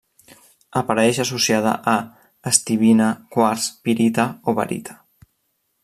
Apareix associada a: estibina, quars, pirita o barita.